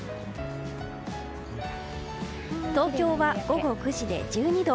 東京は午後９時で１２度。